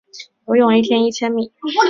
游泳一天一千米